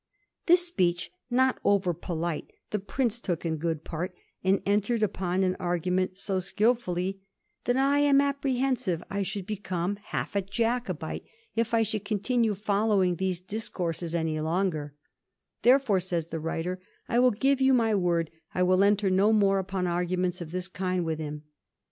' This speech, not over polite, the Prince took in good part, and entered upon an argument so skilfully, *that I am apprehensive I should become half a Jacobite if I Digiti zed by Google 264 A HISTORY OF THE FOUR GEORGES. oh. ii. should continue following these discourses any longer.' * Therefore/ says the writer, ' I will give you my word I will enter no more upon arguments of this kind with him.'